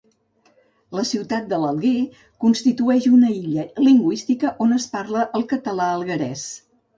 La ciutat de l'Alguer constitueix una illa lingüística on es parla el català alguerès.